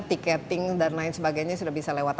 tiketing dan lain sebagainya sudah bisa lewat